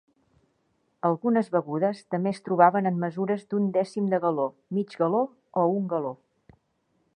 Algunes begudes també es trobaven en mesures d'un dècim de galó, mig galó o un galó.